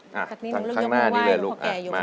จากข้างหน้านี้เลยลุก